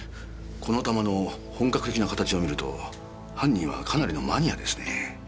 この弾の本格的な形をみると犯人はかなりのマニアですね。